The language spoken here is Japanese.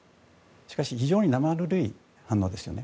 しかし非常に生ぬるい反応ですよね。